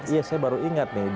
iya saya baru ingat nih